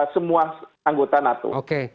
semua anggota nato